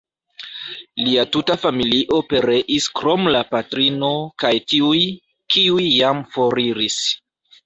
Lia tuta familio pereis krom la patrino kaj tiuj, kiuj jam foriris.